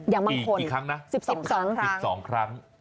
อย่างบางคน๑๒ครั้ง